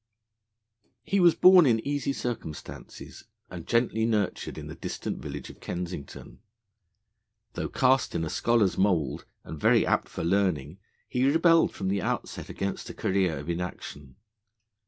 He was born in easy circumstances, and gently nurtured in the distant village of Kensington. Though cast in a scholar's mould, and very apt for learning, he rebelled from the outset against a career of inaction.